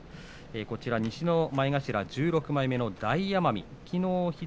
こちらに西前頭１６枚目の大奄美です。